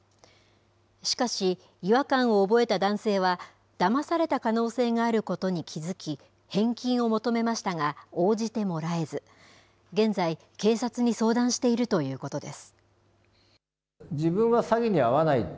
しかし、違和感を覚えた男性は、だまされた可能性があることに気付き、返金を求めましたが、応じてもらえず、現在、警察に相談しているということです。